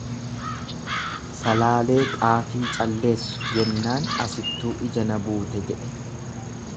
"""Salaalee xaafii calleessu"" jennaan asittuu ija na buute"" jedhe."